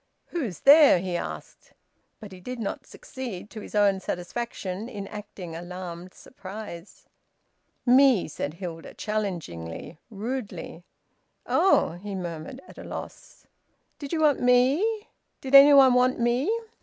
"Who's there?" he asked. But he did not succeed to his own satisfaction in acting alarmed surprise. "Me!" said Hilda, challengingly, rudely. "Oh!" he murmured, at a loss. "Did you want me? Did any one want me?"